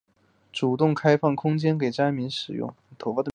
主动开放空间给灾民使用